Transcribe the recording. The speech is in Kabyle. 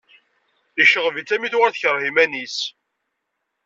Yecɣeb-itt armi tuɣal tekreh iman-is.